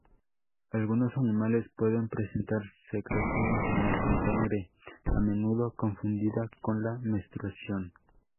Algunos animales pueden presentar secreción vaginal con sangre, a menudo confundida con la menstruación.